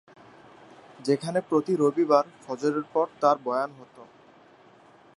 যেখানে প্রতি রবিবার ফজরের পর তার বয়ান হত।